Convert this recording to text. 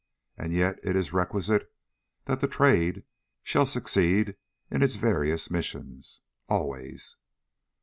And yet it is requisite that the Trade shall succeed in its various missions. Always.